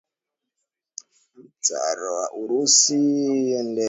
Matsar wa Urusi waliendelea kutawala kwa kuwa na mamlaka zote